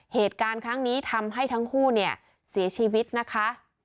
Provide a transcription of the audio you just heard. เหตุการณ์ครั้งนี้ทำให้ทั้งคู่เนี่ยเสียชีวิตนะคะ